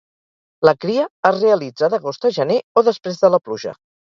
La cria es realitza d'agost a gener, o després de la pluja.